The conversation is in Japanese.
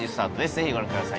ぜひご覧ください